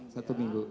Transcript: satu minggu pak